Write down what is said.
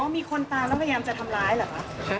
อ๋อมีคนตามแล้วก็ย้ำจะทำร้ายเหรอคะ